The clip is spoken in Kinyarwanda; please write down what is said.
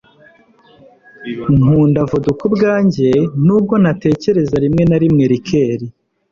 nkunda vodka ubwanjye, nubwo ntatekereza rimwe na rimwe liqueur